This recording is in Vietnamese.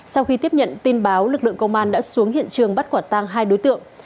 sau khi tiếp nhận tin báo lực lượng công an đã xuống hiện trường bắt quả tang hai đối tượng